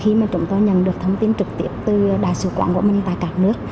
khi mà chúng tôi nhận được thông tin trực tiếp từ đại sứ quán của mình tại các nước